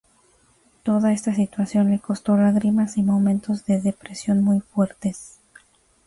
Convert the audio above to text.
Toda esta situación le costó lágrimas y momentos de depresión muy fuertes.